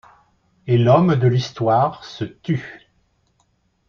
Et l’homme de l’histoire se tut.